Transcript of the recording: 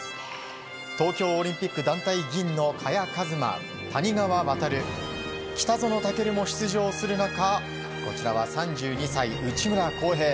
東京オリンピック団体銀の萱和磨谷川航、北園丈琉も出場する中こちらは３２歳、内村航平。